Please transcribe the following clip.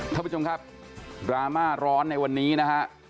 ท่านผู้ชมครับดราม่าร้อนในวันนี้นะฮะ